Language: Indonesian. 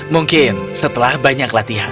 mungkin setelah banyak latihan